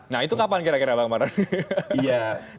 nah itu kapan kira kira bang mard